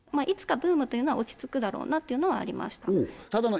いつかブームというのは落ち着くだろうなというのはありました